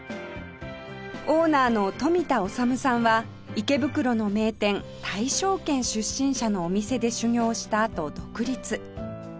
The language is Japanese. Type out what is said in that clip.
オーナーの富田治さんは池袋の名店大勝軒出身者のお店で修業したあと独立